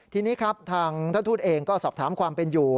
ทีนี้ครับทางท่านทูตเองก็สอบถามความเป็นอยู่